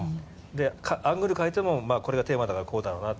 アングル変えても、これがテーマだからこうだろうな。